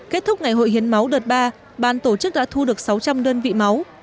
kết thúc ngày hội hiến máu đợt ba ban tổ chức đã thu được sáu trăm linh đơn vị máu